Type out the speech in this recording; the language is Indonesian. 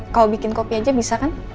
kalau bikin kopi aja bisa kan